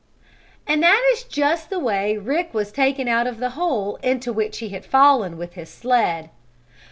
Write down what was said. And that is just the way Rick was taken out of the hole into which he had fallen with his sled.